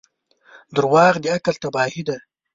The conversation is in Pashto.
• دروغ د عقل تباهي ده.